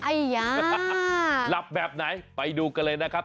หลับแบบไหนไปดูกันเลยนะครับ